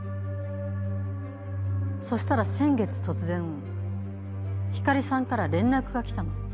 そしたら先月突然光莉さんから連絡が来たの。